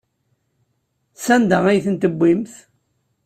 Sanda ay tent-tewwimt?